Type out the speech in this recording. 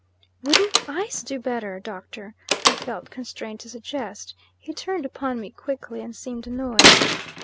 "Wouldn't ice do better, doctor?" I felt constrained to suggest. He turned upon me quickly and seemed annoyed.